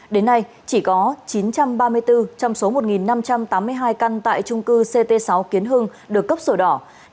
đến nay chỉ có chín trăm ba mươi bốn trong số một năm trăm tám mươi hai căn tại trung cư ct sáu kiến hưng được cấp sổ đỏ